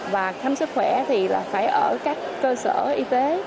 và khám xuất khỏe thì phải ở các cơ sở y tế